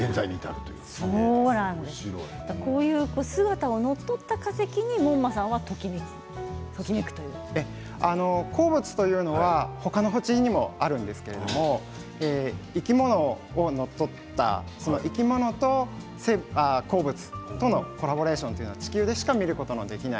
こういう姿を乗っ取った化石に鉱物というのは他の星もあるんですけれど生き物を乗っ取った、この生き物と鉱物とのコラボレーションというのは地球でしか見られない。